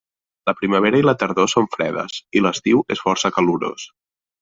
La primavera i la tardor són fredes i l'estiu és força calorós.